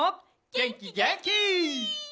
げんきげんき！